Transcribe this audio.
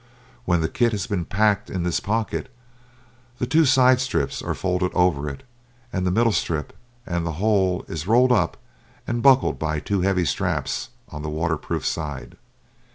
When the kit has been packed in this pocket, the two side strips are folded over it and the middle strip and the whole is rolled up and buckled by two heavy straps on the waterproof side.